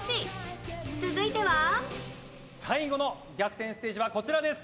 最後の逆転ステージはこちらです。